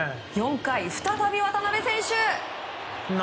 ４回、再び渡邉選手。